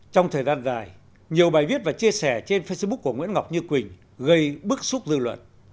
trong thời gian dài nhiều bài viết và chia sẻ trên facebook của nguyễn ngọc như quỳnh gây bức xúc dư luận